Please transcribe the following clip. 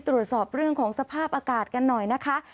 ตรวจสอบเรื่องของสภาพอากาศกันหน่อยนะคะ